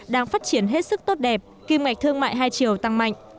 đang phát triển hết sức tốt đẹp kỳ mạch thương mại hai chiều tăng mạnh